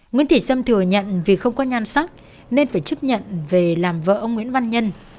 nguyễn thị sâm thừa nhận vì không có nhan sắc nên phải chấp nhận về làm vợ ông nguyễn văn nhân